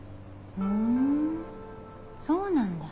ふんそうなんだ。